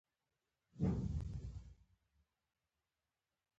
په انسان ټولنو کې بنسټي بدلونونه رامنځته شول